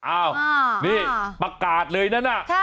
อ้าวนี่ประกาศเลยนั่นน่ะ